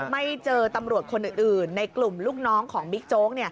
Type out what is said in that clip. ไม่เจอตำรวจคนอื่นในกลุ่มลูกน้องของบิ๊กโจ๊ก